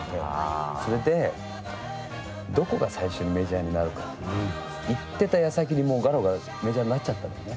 それで、どこが最初にメジャーになるかって言ってたやさきに、もうガロがメジャーになっちゃったんですね。